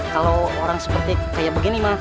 kalau orang seperti kayak begini mah